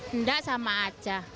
tidak sama aja